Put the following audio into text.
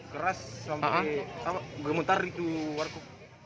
keras sampai gemutar itu warkop